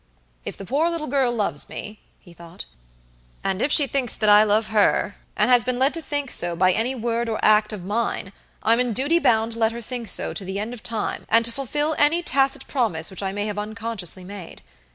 "If the poor little girl loves me," he thought, "and if she thinks that I love her, and has been led to think so by any word or act of mine, I'm in duty bound to let her think so to the end of time, and to fulfill any tacit promise which I may have unconsciously made.